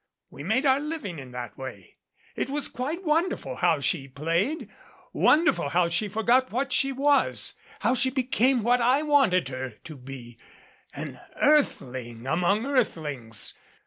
We made our living in that way. It was quite wonderful how she played wonderful how she forgot what she was how she became what I wanted her to be an earthling among earthlings.